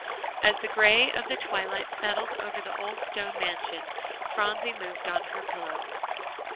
As the gray of the twilight settled over the old stone mansion, Phronsie moved on her pillow.